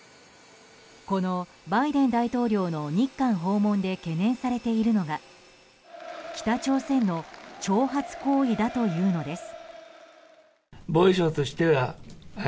このバイデン大統領の日韓訪問で懸念されているのが北朝鮮の挑発行為だというのです。